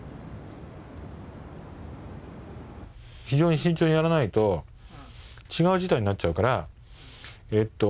非常に慎重にやらないと違う事態になっちゃうから。